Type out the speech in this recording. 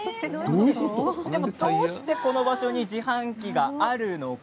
どうしてこの場所に自販機があるのか。